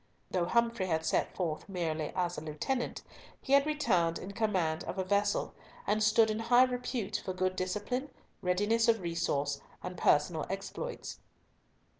Though Humfrey had set forth merely as a lieutenant, he had returned in command of a vessel, and stood in high repute for good discipline, readiness of resource, and personal exploits.